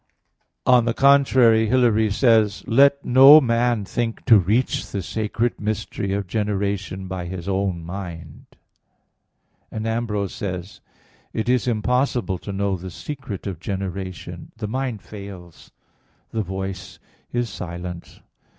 On the contrary, Hilary says (De Trin. i), "Let no man think to reach the sacred mystery of generation by his own mind." And Ambrose says (De Fide ii, 5), "It is impossible to know the secret of generation. The mind fails, the voice is silent."